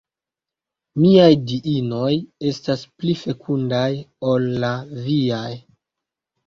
Miaj Diinoj estas pli fekundaj ol la viaj.